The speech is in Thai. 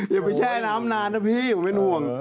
อย่าแช่น้ำนานนะว่าไม่เป็นห่วง